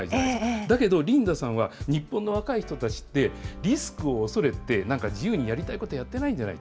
だけど、リンダさんは、日本の若い人たちってリスクを恐れて、なんか、自由にやりたいことやってないんじゃないか。